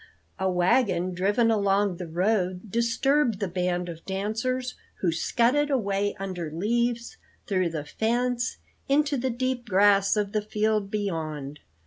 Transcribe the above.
"A wagon driven along the road disturbed the band of dancers, who scudded away under leaves, through the fence, into the deep grass of the field beyond.